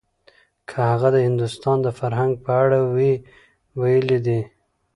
که هغه د هندوستان د فرهنګ په اړه وی ويلي دي.